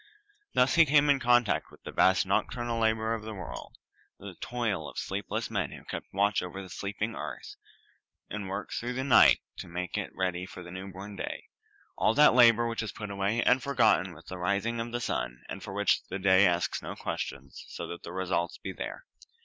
Thus he came in contact with all the vast nocturnal labor of the world, the toil of sleepless men who keep watch over the sleeping earth, and work through the night to make it ready for the new born day; all that labor which is put away and forgotten with the rising of the sun, and of which the day asks no questions, so that the result be there.